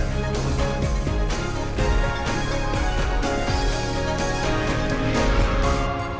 dan sampai jumpa